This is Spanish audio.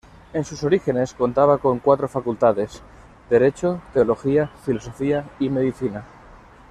En sus orígenes contaba con cuatro facultades: derecho, teología, filosofía y medicina.